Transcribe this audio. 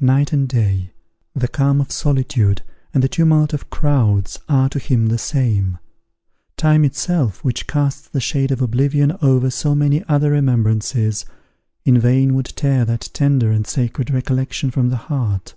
Night and day, the calm of solitude and the tumult of crowds, are to him the same; time itself, which casts the shade of oblivion over so many other remembrances, in vain would tear that tender and sacred recollection from the heart.